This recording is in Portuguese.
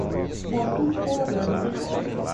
Botuporã